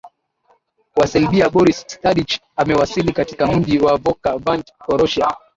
wa selbia boris stadich amewasili katika mji wa voka vanch croatia